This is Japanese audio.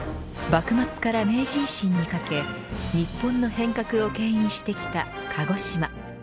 幕末から明治維新にかけ日本の変革をけん引してきた鹿児島。